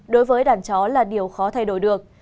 đối với đàn chó là điều khó thay đổi được